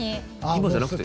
今じゃなくて？